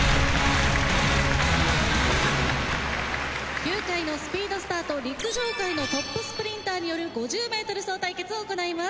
球界のスピードスターと陸上界のトップスプリンターによる５０ｍ走対決を行います。